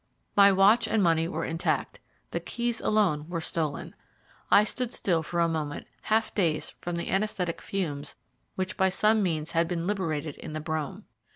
My watch and money were intact; the keys alone were stolen. I stood still for a moment half dazed from the anæsthetic fumes which by some means had been liberated in the brougham.